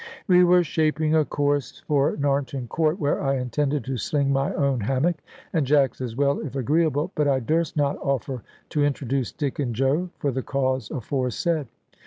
We were shaping a course for Narnton Court, where I intended to sling my own hammock, and Jack's as well, if agreeable; but I durst not offer to introduce Dick and Joe, for the cause aforesaid.